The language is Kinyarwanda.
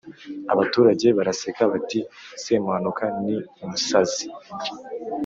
“Abaturage baraseka, bati:” Semuhanuka ni umusazi